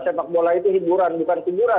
sepak bola itu hiburan bukan hiburan